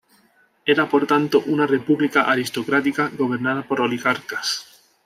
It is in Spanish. Era por tanto una república aristocrática gobernada por oligarcas.